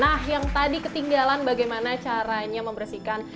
nah yang tadi ketinggalan bagaimana caranya membersihkan